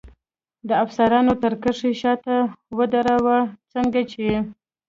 د افسرانو تر کرښې شاته ودراوه، څنګه چې.